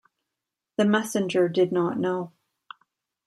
The messenger did not know.